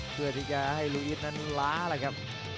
เพื่อที่จะให้ลูอีฟนั้นล้าแล้วครับ